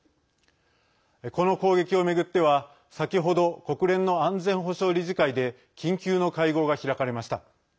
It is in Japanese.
この攻撃を巡っては先ほど国連の安全保障理事会で緊急の会合が開かれました。